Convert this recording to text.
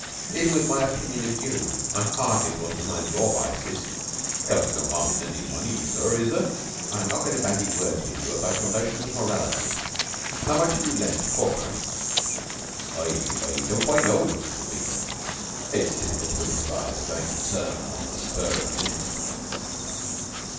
Even with my opinion of you, I hardly thought it was one of your vices." "There's no harm in lending money, sir, is there?" "I am not going to bandy words with you on your notions of morality. How much have you lent Corkran?" "I I don't quite know," said Beetle. It is difficult to improvise a going concern on the spur of the minute.